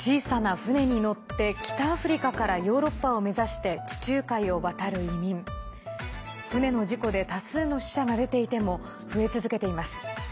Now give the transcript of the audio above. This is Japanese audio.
船の事故で多数の死者が出ていても増え続けています。